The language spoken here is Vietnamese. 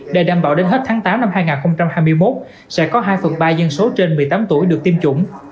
để đảm bảo đến hết tháng tám năm hai nghìn hai mươi một sẽ có hai phần ba dân số trên một mươi tám tuổi được tiêm chủng